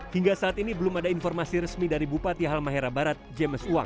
hingga saat ini belum ada informasi resmi dari bupati halmahera barat james wang